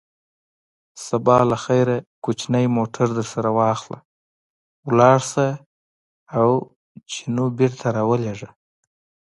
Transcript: سبا له خیره کوچنی موټر درسره واخله، ولاړ شه او جینو بېرته را ولېږه.